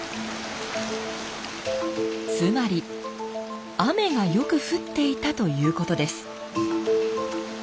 つまり雨がよく降っていたということです。